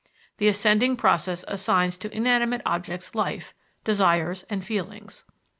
The ascending process assigns to inanimate objects life, desires and feelings.